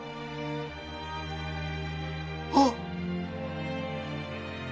あっ！